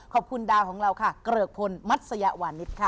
ขอบคุณดาวของเราค่ะเกริกพลมัศยวานิสค่ะ